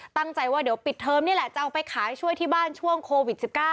ตั้งใจว่าเดี๋ยวปิดเทอมนี่แหละจะเอาไปขายช่วยที่บ้านช่วงโควิด๑๙